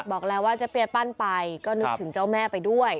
บอกแล้วว่าเจ๊เปียปั้นไปก็นึกถึงเจ้าแม่ไปด้วย